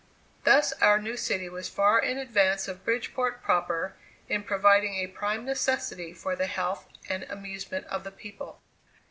Thus our new city was far in advance of Bridgeport proper in providing a prime necessity for the health and amusement of the people.